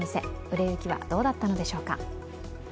売れ行きはどうだったのでしょうか。